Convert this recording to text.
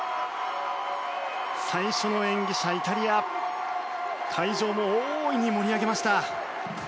最初の演技者、イタリア会場を大いに盛り上げました。